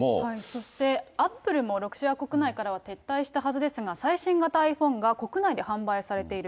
そしてアップルもロシア国内から撤退したはずですが、最新型ｉＰｈｏｎｅが国内で販売されている。